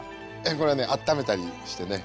これはねあっためたりしてね